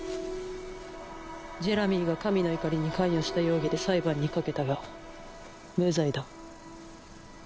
ジェラミーが神の怒りに関与した容疑で裁判にかけたが無罪だ。